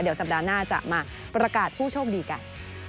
เดี๋ยวสัปดาห์หน้าจะมาประกาศผู้โชคดีกัน